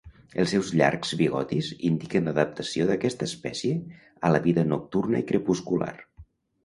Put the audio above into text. Els seus llargs bigotis indiquen l'adaptació d'aquesta espècie a la vida nocturna i crepuscular.